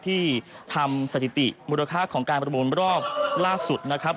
ที่ทำสถิติมูลค่าของการประมูลรอบล่าสุดนะครับ